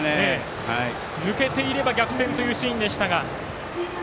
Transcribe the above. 抜けていれば逆転というシーンでした。